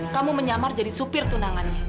kamu menyamar jadi supir tunangannya